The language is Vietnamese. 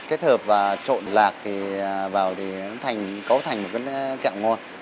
kết hợp và trộn lạc thì vào thì nó thành cấu thành một cái kẹo ngon